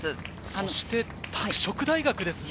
そして拓殖大学ですね。